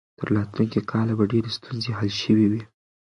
تر راتلونکي کاله به ډېرې ستونزې حل شوې وي.